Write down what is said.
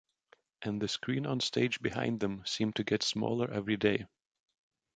And the screen on stage behind them seemed to get smaller every day.